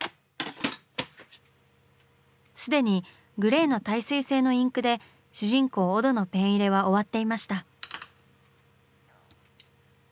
既にグレーの耐水性のインクで主人公オドのペン入れは終わっていました。